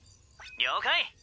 了解！